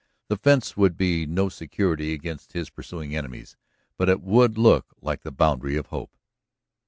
The fence would be no security against his pursuing enemies, but it would look like the boundary of hope.